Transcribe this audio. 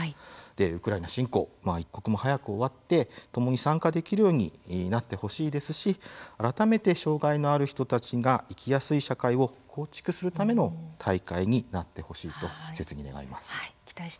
ウクライナ侵攻が一刻も早く終わりともに参加できるようになってほしいですし改めて障害のある人たちが生きやすい社会を構築するための大会になってほしいと思います。